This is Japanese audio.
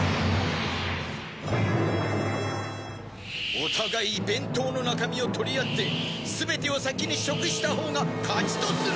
お互い弁当の中身を取り合って全てを先に食したほうが勝ちとするバシ。